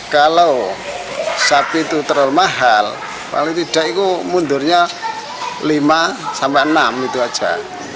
kalau sapi itu terlalu mahal paling tidak itu mundurnya lima sampai enam itu saja